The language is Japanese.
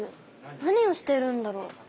何をしているんだろう？